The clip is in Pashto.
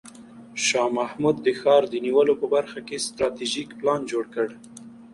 شاه محمود د ښار د نیولو په برخه کې ستراتیژیک پلان جوړ کړ.